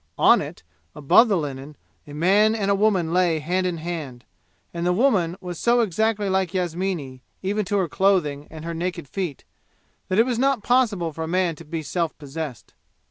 On it, above the linen, a man and a woman lay hand in hand; and the woman was so exactly like Yasmini, even to her clothing, and her naked feet, that it was not possible for a man to be self possessed.